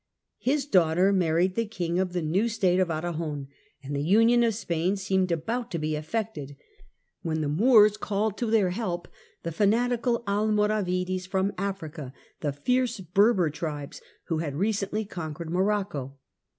His daughter married the king of the new state of Aragon, and the union of Spain seemed about to be effected, when the Moors called to their help The Ai the fanatical Almoravides from Africa, the fierce Berber moravides ^^^^^^ ^^1^^ \^g^^ recently conquered Morocco.